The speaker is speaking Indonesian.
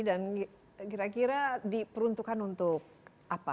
dan kira kira diperuntukkan untuk apa